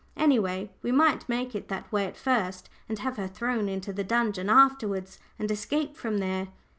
"Any way, we might make it that way at first, and have her thrown into the dungeon afterwards, and escape from there."